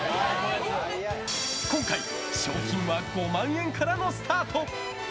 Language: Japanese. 今回は賞金５万円からのスタート。